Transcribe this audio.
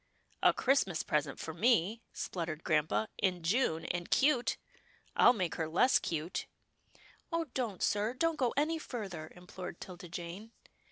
" A Christmas present for me," spluttered grampa, " in June, and 'cute. I'll make her less 'cute." " Oh don't sir — don't go any further," im plored 'Tilda Jane.